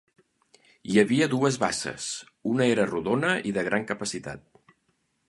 Hi havia dues basses, una era rodona i de gran capacitat.